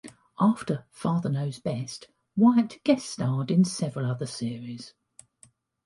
After "Father Knows Best", Wyatt guest starred in several other series.